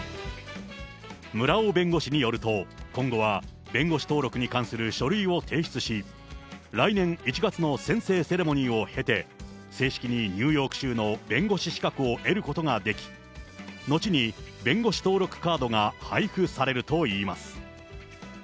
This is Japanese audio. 村尾弁護士によると、今後は弁護士登録に関する書類を提出し、来年１月の宣誓セレモニーを経て、正式にニューヨーク州の弁護士資格を得ることができ、後に弁護士登録カードが配付されるといいます。